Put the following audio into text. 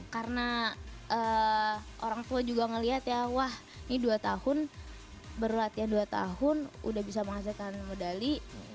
karena orang tua juga ngeliat ya wah ini dua tahun berlatih dua tahun udah bisa menghasilkan medali